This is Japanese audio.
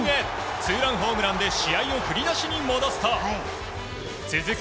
ツーランホームランで試合を振り出しに戻すと続く